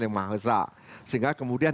yang maha hezal sehingga kemudian